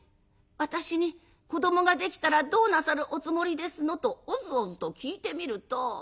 私に子どもができたらどうなさるおつもりですの？」とおずおずと聞いてみると。